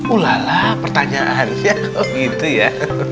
ulala pertanyaan ya kok gitu ya